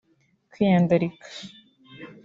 Kwiyandarika